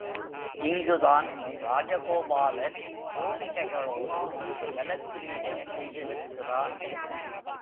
இங்குதான் ராஜகோபாலன் கோபிகைகளோடு ஜலக்கிரீடை செய்திருக்கிறான்.